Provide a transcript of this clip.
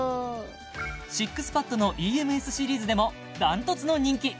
ＳＩＸＰＡＤのＥＭＳシリーズでも断トツの人気！